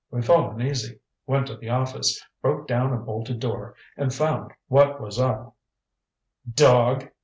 We felt uneasy. Went to the office, broke down a bolted door, and found what was up." "Dog!"